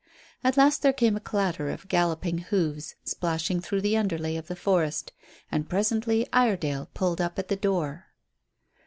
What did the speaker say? At last there came a clatter of galloping hoofs splashing through the underlay of the forest, and presently Iredale pulled up at the door.